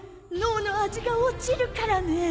脳の味が落ちるからね。